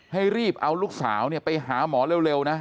ให้รีบเอาลูกสาวไปหาหมอเร็วนะ